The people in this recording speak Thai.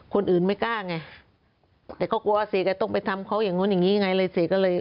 คนอื่นไม่กล้าไงแต่เขากลัวว่าเสจะต้องไปทำเขาอย่างนู้นอย่างนี้ไงเลยเสก็เลย